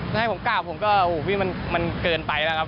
จะให้ผมกลับผมก็โหมันเกินไปแล้วครับ